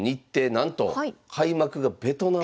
なんと開幕がベトナム。